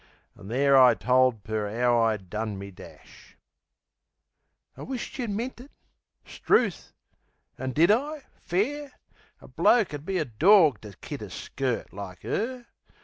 An' there I told Per 'ow I'd done me dash. "I wish't yeh meant it." 'Struth! And did I, fair? A bloke 'ud be a dawg to kid a skirt Like her.